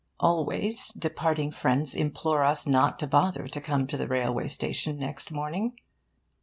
Always, departing friends implore us not to bother to come to the railway station next morning.